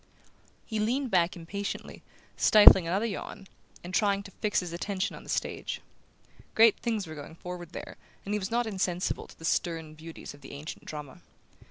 He leaned back impatiently, stifling another yawn, and trying to fix his attention on the stage. Great things were going forward there, and he was not insensible to the stern beauties of the ancient drama.